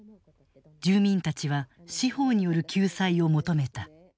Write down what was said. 住民たちは司法による救済を求めた。